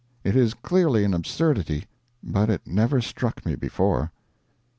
It is clearly an absurdity, but it never struck me before.